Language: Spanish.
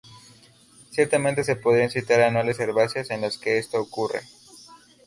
Ciertamente se podrían citar anuales herbáceas en las que esto ocurre.